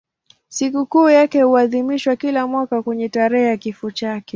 Sikukuu yake huadhimishwa kila mwaka kwenye tarehe ya kifo chake.